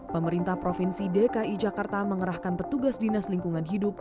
pemerintah provinsi dki jakarta mengerahkan petugas dinas lingkungan hidup